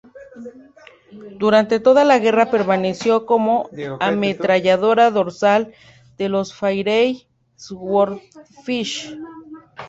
Durante toda la guerra permaneció como ametralladora dorsal de los Fairey Swordfish.